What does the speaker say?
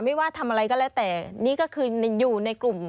ไม่ว่าทำอะไรก็แล้วแต่นี่ก็คืออยู่ในกลุ่ม